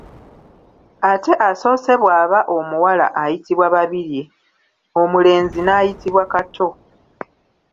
Ate asoose bw’aba omuwala ayitibwa Babirye, omulenzi n’ayitibwa Kato.